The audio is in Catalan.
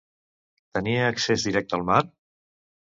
Tenia accés directe al mar?